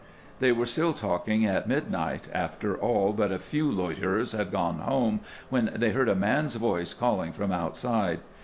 They were still talking at midnight, after all but a few loiterers had gone home, when they heard a man's voice calling from outside.